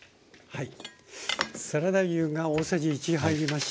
はい。